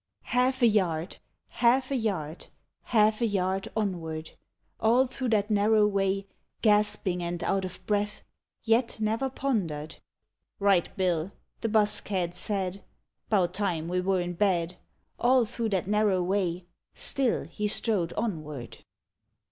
I. Half a yard, half a yard. Half a yard onward. All through that narrow way Gasping and out of breath, yet never ponder'd !" Right, Bill,'' the 'bus cad said, " 'Bout time we were in bed." All through that narrow way. Still he strode onward.